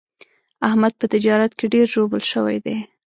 احمد په تجارت کې ډېر ژوبل شوی دی.